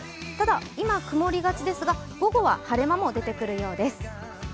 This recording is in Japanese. ただ、今曇りがちですが、午後は晴れ間も出てくるようです。